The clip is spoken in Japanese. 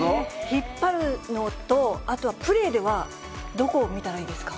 引っ張るのと、あとはプレーでは、どこを見たらいいですか？